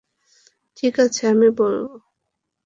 ঠিক আছে, আমি বলব!